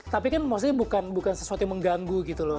tapi kan maksudnya bukan sesuatu yang mengganggu gitu loh